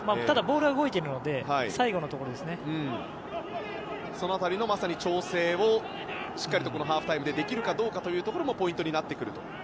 ただ、ボールは動いているのでその辺りの、まさに調整をしっかりハーフタイムでできるかどうかというところもポイントになってくると。